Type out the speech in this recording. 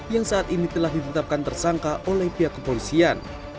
yang saat ini telah ditetapkan tersangka oleh pihak kepolisian